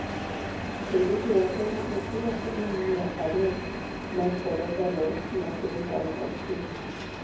Tumbuti wacho ni ochula siling mia adek mar kodesa loo matin kama opidhe apuoyo